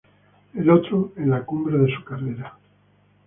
El otro, en la cumbre de su carrera.